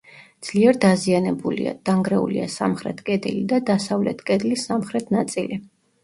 ძლიერ დაზიანებულია: დანგრეულია სამხრეთ კედელი და დასავლეთ კედლის სამხრეთ ნაწილი.